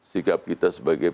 sikap kita sebagai